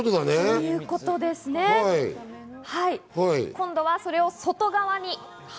今のそれを外側に。